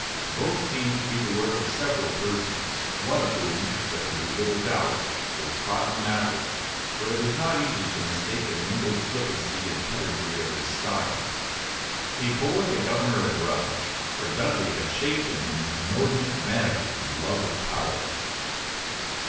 Both seem to be the work of several persons, one of whom, there can be little doubt, was Cotton Mather; for it is not easy to mistake the mingled flippancy and pedantry of his style. He bore the governor a grudge, for Dudley had chafed him in his inordinate vanity and love of power.